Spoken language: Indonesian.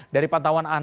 dari pantai mana